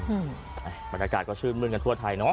บรรยากาศก็ชื่นมื้นกันทั่วไทยเนาะ